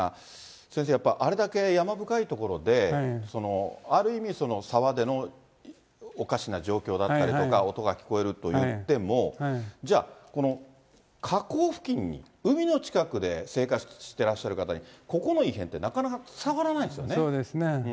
先生、やっぱあれだけ山深い所で、ある意味、沢でのおかしな状況だったりとか、音が聞こえるといっても、じゃあ、この河口付近に、海の近くで生活してらっしゃる方に、ここの異変って、そうですね。